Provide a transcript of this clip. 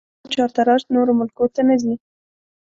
اوس مو چارتراش نورو ملکو ته نه ځي